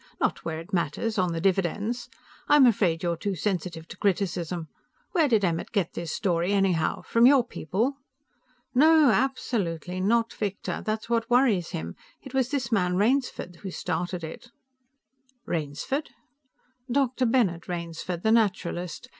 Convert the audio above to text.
"Not where it matters, on the dividends. I'm afraid you're too sensitive to criticism. Where did Emmert get this story anyhow? From your people?" "No, absolutely not, Victor. That's what worries him. It was this man Rainsford who started it." "Rainsford?" "Dr. Bennett Rainsford, the naturalist.